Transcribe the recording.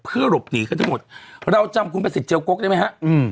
เพื่อหลบหนีกันทั้งหมดเราจำคุณประสิทธิเจียวกกได้ไหมฮะอืม